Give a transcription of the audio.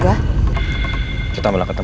kau pasti menikmati ku